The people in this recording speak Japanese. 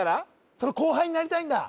その後輩になりたいんだ？